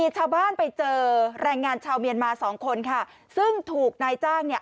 ชาวบ้านไปเจอแรงงานชาวเมียนมาสองคนค่ะซึ่งถูกนายจ้างเนี่ย